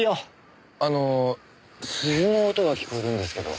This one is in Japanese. あの鈴の音が聞こえるんですけど。